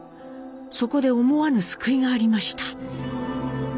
そこで思わぬ救いがありました。